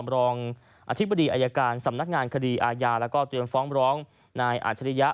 รองอธิบดีอายการสำนักงานคดีอาญาแล้วก็เตรียมฟ้องร้องนายอาจริยะ